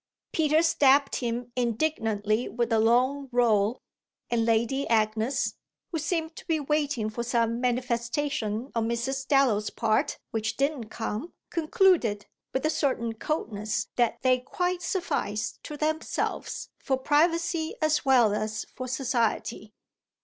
Peter stabbed him indignantly with a long roll, and Lady Agnes, who seemed to be waiting for some manifestation on Mrs. Dallow's part which didn't come, concluded, with a certain coldness, that they quite sufficed to themselves for privacy as well as for society.